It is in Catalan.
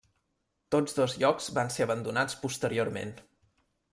Tots dos llocs van ser abandonats posteriorment.